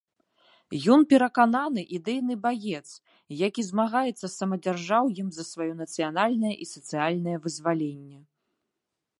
Ён перакананы ідэйны баец, які змагаецца з самадзяржаўем за сваё нацыянальнае і сацыяльнае вызваленне.